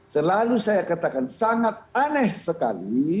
selalu saya katakan sangat aneh sekali